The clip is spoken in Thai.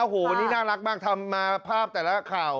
โอ้โหวันนี้น่ารักมากทำมาภาพแต่ละข่าว